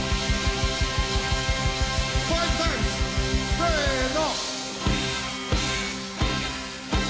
せの。